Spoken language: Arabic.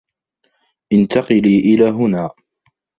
انتقلي إلى هنا.